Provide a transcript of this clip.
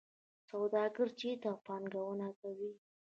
سوداګر چیرته پانګونه کوي؟